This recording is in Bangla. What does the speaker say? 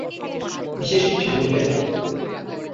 বিশেষ কিছু বললে না।